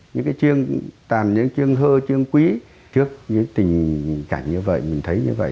những cái chiêng tàn những chiêng hơ chiêng quý trước những tình cảnh như vậy mình thấy như vậy